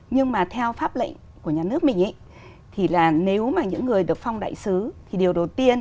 nhưng mà theo pháp lệnh của nhà nước mình thì là nếu mà những người được phong đại sứ thì điều đầu tiên